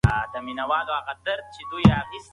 هر څوک د ستونزو د هوارولو خپله لاره لري.